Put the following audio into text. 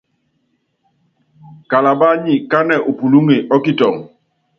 Kalabá nyi kánɛ u pulúŋe ɔ kitɔŋɔ.